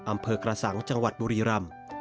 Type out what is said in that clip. อำเภอกลสังว์บุรีรรม